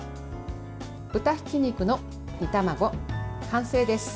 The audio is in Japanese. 豚ひき肉の煮卵、完成です。